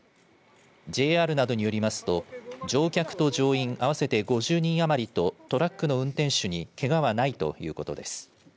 ＪＲなどによりますと乗客と乗員合わせて５０人余りとトラックの運転手にけがはないということです。